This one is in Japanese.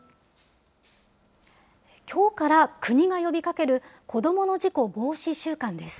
きょうから国が呼びかける子どもの事故防止週間です。